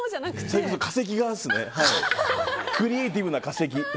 クリエーティブな化石。